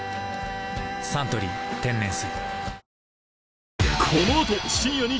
「サントリー天然水」